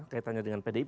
kaitannya dengan pdip